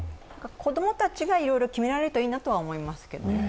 子供たちがいろいろ決められるといいなとは思いますけどね。